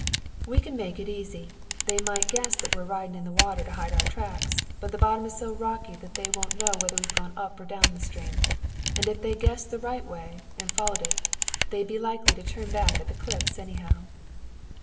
"We can make it easy. They might guess that we're ridin' in the water to hide our tracks, but the bottom is so rocky they won't know whether we've gone up or down the stream. And if they guessed the right way, and followed it, they'd be likely to turn back at the cliffs, anyhow."